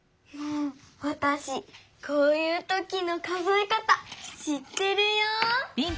わたしこういうときの数えかたしってるよ！